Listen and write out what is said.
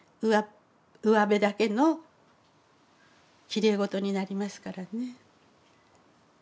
うわべだけのきれいごとになりますからね。